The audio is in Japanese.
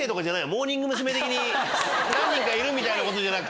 モーニング娘。的に何人かいるみたいなことじゃなく。